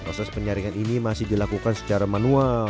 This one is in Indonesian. proses penyaringan ini masih dilakukan secara manual